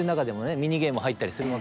ミニゲーム入ったりするわけですよ。